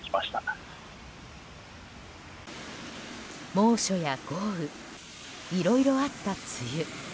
猛暑や豪雨いろいろあった梅雨。